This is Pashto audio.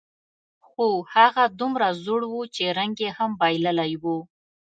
خو هغه دومره زوړ و، چې رنګ یې هم بایللی و.